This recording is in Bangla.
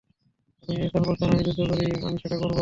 আপনি যদি তারপরও চান, আমি যুদ্ধ শুরু করি, আমি সেটা করব।